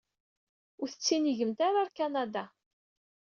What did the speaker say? Ur tettinigemt ara ɣer Kanada.